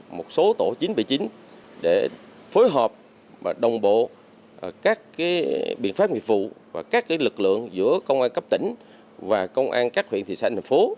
một số tổ chín trăm bảy mươi chín để phối hợp và đồng bộ các biện pháp nghiệp vụ và các lực lượng giữa công an cấp tỉnh và công an các huyện thị xã thành phố